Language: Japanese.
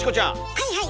はいはい！